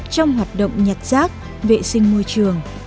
trong hoạt động nhặt rác vệ sinh môi trường